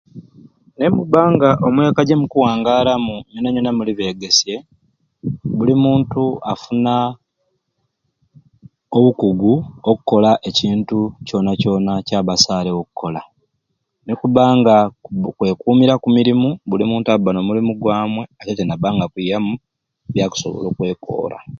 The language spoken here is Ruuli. Nemuba nga omweka gyemukuwangaramu nyena nyena muli begesye buli muntu afuna obukugu okola ekintu kyona kyona kyaba asarewo okola nekuba nga kwekumira kumirimu buli muntu aba namurimu gwamwei ate te naba nga akwiyamu byakusobola okwekora